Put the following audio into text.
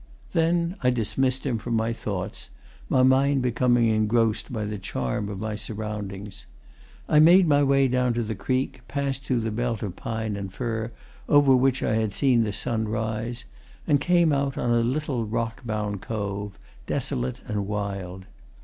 Then I dismissed him from my thoughts, my mind becoming engrossed by the charm of my surroundings. I made my way down to the creek, passed through the belt of pine and fir over which I had seen the sun rise, and came out on a little, rock bound cove, desolate and wild.